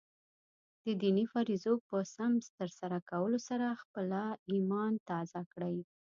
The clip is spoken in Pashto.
د دیني فریضو په سم ترسره کولو سره خپله ایمان تازه کړئ.